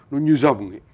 nó như dòng